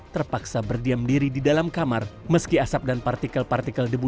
terpaksa berdiam diri di dalam kamar meski asap dan partikel partikel debu